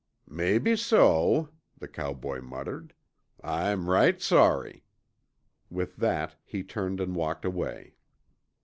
"Mebbe so," the cowboy muttered. "I'm right sorry." With that he turned and walked away.